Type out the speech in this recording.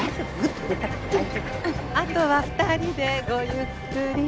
あとは２人でごゆっくり。